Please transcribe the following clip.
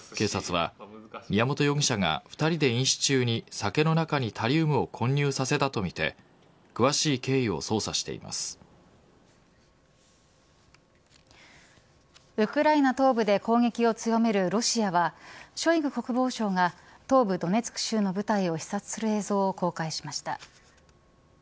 警察は宮本容疑者が２人で飲酒中に酒の中にタリウムを混入させたとみてウクライナ東部で攻撃を強めるロシアはショイグ国防相が東部ドネツク州の部隊を視察する映像を公開しました。